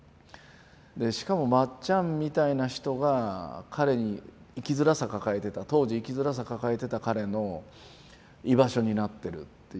しかもまっちゃんみたいな人が彼に生きづらさ抱えてた当時生きづらさ抱えてた彼の居場所になってるっていうのをね